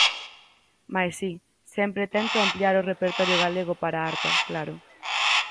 Mais si, sempre tento ampliar o repertorio galego para arpa, claro.